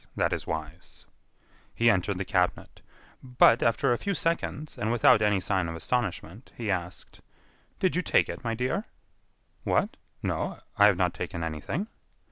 That is wise." He entered the cabinet; but, after a few seconds, and without any sign of astonishment, he asked: "Did you take it, my dear?" "What?....No, I have not taken anything."